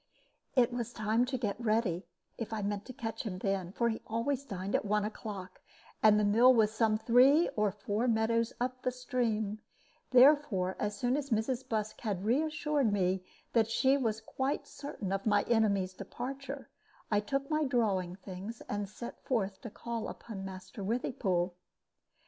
It was time to get ready if I meant to catch him then, for he always dined at one o'clock, and the mill was some three or four meadows up the stream; therefore as soon as Mrs. Busk had re assured me that she was quite certain of my enemy's departure, I took my drawing things and set forth to call upon Master Withypool.